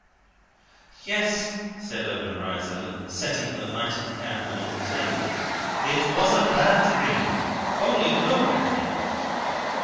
"Yes!" said Obenreizer, setting the lighted candle on the table, "it was a bad dream. Only look at me!"